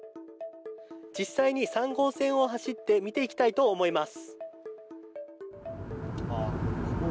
実際に３号線を走って見ていきたいと思います。